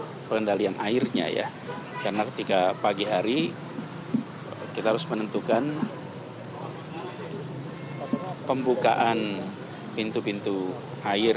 untuk pengendalian airnya ya karena ketika pagi hari kita harus menentukan pembukaan pintu pintu air